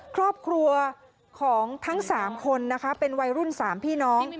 ครอบครัวของทั้ง๓คนนะคะเป็นวัยรุ่น๓พี่น้อง